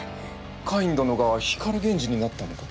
カイン殿が光源氏になったのか？